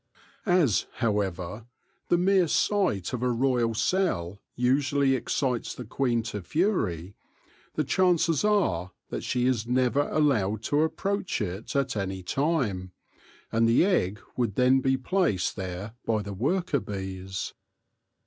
As, however, the mere sight of a royal cell usually excites the queen to fury, the chances are that she is never allowed to approach it at any time, and the egg would then be placed there by the worker bees.